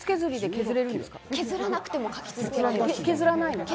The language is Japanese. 削らなくても書き続けられます。